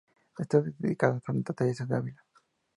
Está dedicada a Santa Teresa de Ávila.